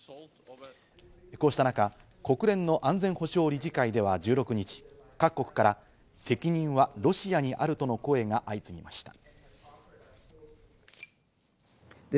こうした中、国連の安全保障理事会では１６日、各国から責任はロシアにあるとの声が相次ぎました。